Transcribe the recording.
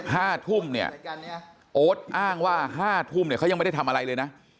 ห้าทุ่มเนี่ยโอ๊ตอ้างว่าห้าทุ่มเนี่ยเขายังไม่ได้ทำอะไรเลยนะ